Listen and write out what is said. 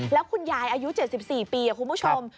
แล้วคุณยายอายุ๗๔ปีคุณผู้ชม